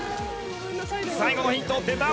最後のヒント出た！